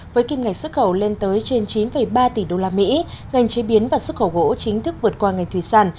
với kim ngành xuất khẩu lên tới trên chín ba tỷ đô la mỹ ngành chế biến và xuất khẩu gỗ chính thức vượt qua ngành thủy sản